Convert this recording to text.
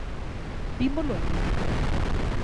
Vímolo en Vigo.